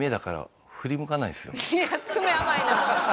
いや詰め甘いな！